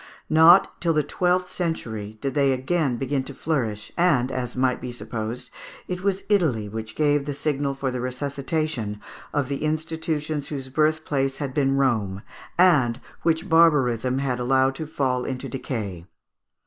Not till the twelfth century did they again begin to flourish, and, as might be supposed, it was Italy which gave the signal for the resuscitation of the institutions whose birthplace had been Rome, and which barbarism had allowed to fall into decay.